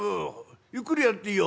ゆっくりやっていいよ。